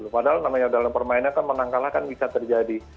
padahal namanya dalam permainan kan menang kalah kan bisa terjadi